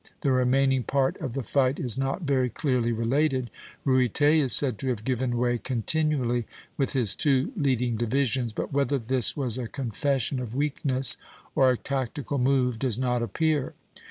The remaining part of the fight is not very clearly related. Ruyter is said to have given way continually with his two leading divisions; but whether this was a confession of weakness or a tactical move does not appear.